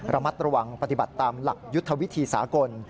ระมัดระวังปฏิบัติตามหลักยุทธวิธีสากล